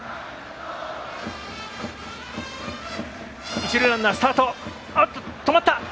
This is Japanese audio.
一塁ランナー、スタート。